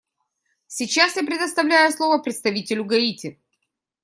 Сейчас я предоставляю слово представителю Гаити.